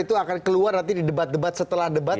itu akan keluar nanti di debat debat setelah debat